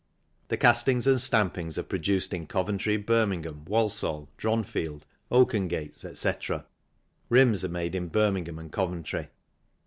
The castings and stampings are produced in Coventry, Birmingham, Walsall, Dronfield, Oakengates, etc. Rims are made in Birmingham and Coventry.